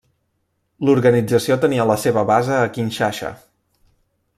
L'organització tenia la seva base a Kinshasa.